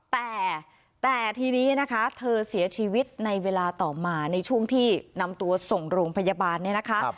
แต่แต่ทีนี้นะคะเธอเสียชีวิตในเวลาต่อมาในช่วงที่นำตัวส่งโรงพยาบาลเนี่ยนะคะ